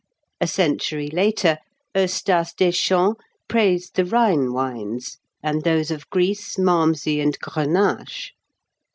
A century later, Eustace Deschamps praised the Rhine wines, and those of Greece, Malmsey, and Grenache.